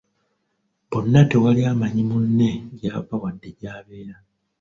Bonna tewali amanyi munne gy'ava wadde gy'abeera.